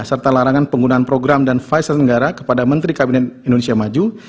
serta larangan penggunaan program dan visa tenggara kepada menteri kabinet indonesia maju